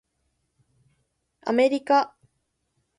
アメリカ